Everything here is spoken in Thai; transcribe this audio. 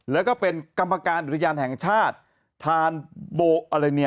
แล้วก็เป็นกรรมการอุทยานแห่งชาติทานโบอะไรเนี่ย